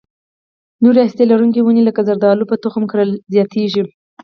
نورې هسته لرونکې ونې لکه زردالو په تخم کرلو زیاتېږي.